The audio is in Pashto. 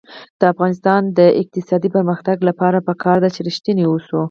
د افغانستان د اقتصادي پرمختګ لپاره پکار ده چې ریښتیني اوسو.